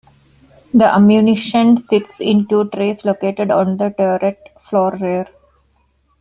The ammunition sits in two trays located on the turret floor rear.